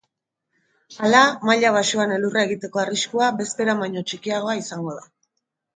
Hala, maila baxuan elurra egiteko arriskua bezperan baino txikiagoa izango da.